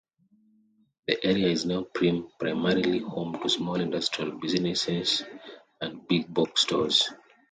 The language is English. The area is now primarily home to small industrial businesses and big box stores.